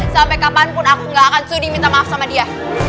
sampai kapanpun aku gak akan studi minta maaf sama dia